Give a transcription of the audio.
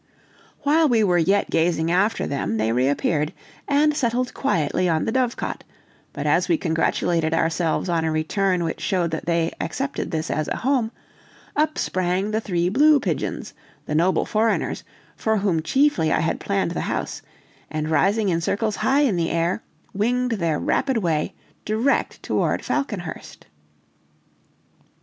While we were yet gazing after them, they reappeared, and settled quietly on the dovecot; but as we congratulated ourselves on a return which showed that they accepted this as a home, up sprang the three blue pigeons, the noble foreigners, for whom chiefly I had planned the house, and rising in circles high in air, winged their rapid way direct toward Falconhurst.